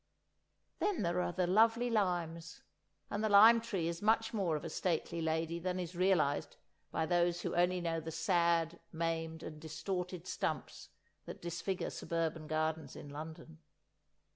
Then there are the lovely limes—and the lime tree is much more of a stately lady than is realized by those who only know the sad, maimed and distorted stumps that disfigure suburban gardens in London.